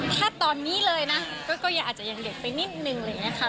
ถ้าตอนนี้เลยนะก็ยังอาจจะยังเด็กไปนิดนึงอะไรอย่างนี้ค่ะ